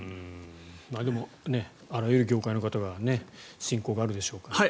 でも、あらゆる業界の方が親交があるでしょうからね。